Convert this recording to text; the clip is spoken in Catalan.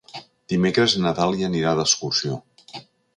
Dimecres na Dàlia anirà d'excursió.